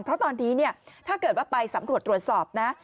เพราะตอนนี้เนี่ยถ้าเกิดว่าไปสำรวจตรวจสอบนะ